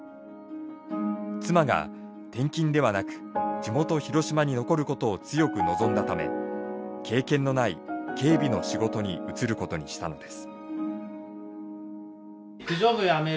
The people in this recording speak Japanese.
妻が転勤ではなく地元広島に残ることを強く望んだため経験のない警備の仕事に移ることにしたのです。